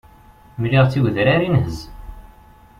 Mliɣ-tt i udrar inhez.